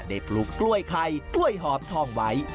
ปลูกกล้วยไข่กล้วยหอมทองไว้